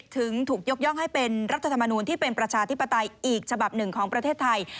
ถึงถูกยกย่องให้เป็นรัฐธรรมนูลที่เป็นประชาธิปไตยอีกฉบับหนึ่งของประเทศไทย